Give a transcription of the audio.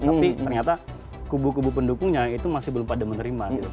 tapi ternyata kubu kubu pendukungnya itu masih belum pada menerima gitu